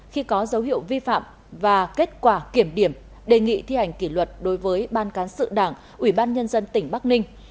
khi có dấu hiệu vi phạm và kết quả kiểm điểm đề nghị thi hành kỷ luật đối với ban cán sự đảng ủy ban nhân dân tỉnh bắc ninh